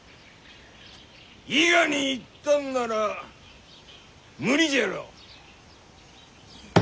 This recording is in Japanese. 伊賀に行ったんなら無理じゃろう。